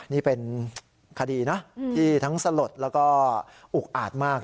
นี่เป็นคดีนะที่ทั้งสลดแล้วก็อุกอาจมาก